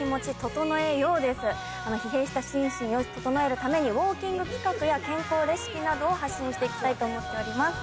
疲弊した心身を整えるためにウオーキング企画や健康レシピなどを発信して行きたいと思っております。